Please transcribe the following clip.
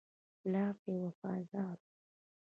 پلار ته وفادار وو.